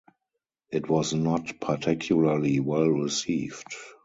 It was not particularly well received.